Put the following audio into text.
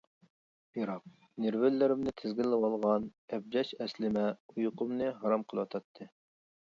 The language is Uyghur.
بىراق، نېرۋىلىرىمنى تىزگىنلىۋالغان ئەبجەش ئەسلىمە ئۇيقۇمنى ھارام قىلىۋاتاتتى.